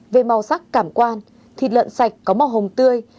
về màu sắc cảm quan thịt lợn sạch có màu hồng tươi